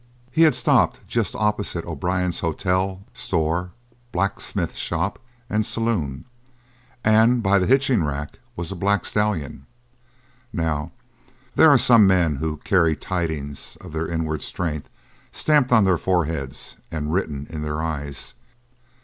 He had stopped just opposite O'Brien's hotel, store, blacksmith shop, and saloon, and by the hitching rack was a black stallion. Now, there are some men who carry tidings of their inward strength stamped on their foreheads and written in their eyes.